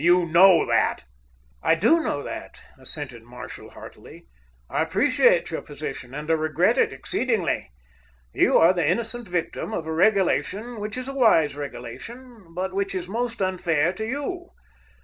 You know that." "I do know that," assented Marshall heartily. "I appreciate your position, and I regret it exceedingly. You are the innocent victim of a regulation which is a wise regulation, but which is most unfair to you.